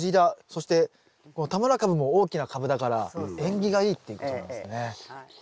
そしてこの田村かぶも大きなカブだから縁起がいいっていうことなんですね。